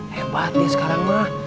hebat dia sekarang mah